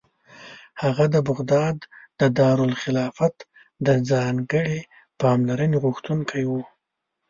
هغه د بغداد د دارالخلافت د ځانګړې پاملرنې غوښتونکی و.